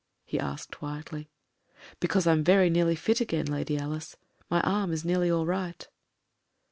he asked quietly. "Because I'm very nearly fit again. Lady Alice. My arm is nearly all right."